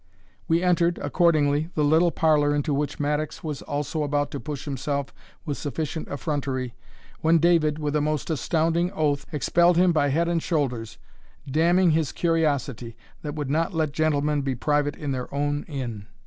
We entered, accordingly, the little parlour, into which Mattocks was also about to push himself with sufficient effrontery, when David, with a most astounding oath, expelled him by head and shoulders, d ning his curiosity, that would not let gentlemen be private in their own inn.